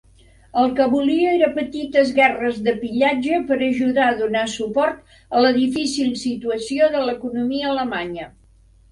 El que volia era petites guerres de pillatge per ajudar a donar suport a la difícil situació de l'economia alemanya.